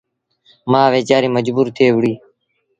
مآ ويچآريٚ مجبور ٿئي وهُڙيٚ